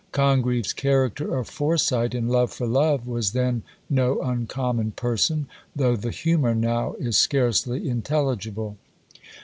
Congreve's character of Foresight, in Love for Love, was then no uncommon person, though the humour now is scarcely intelligible.